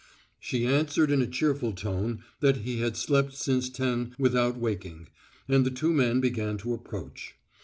She answered in a cheerful tone that he had slept since ten without waking, and the two men began to approach.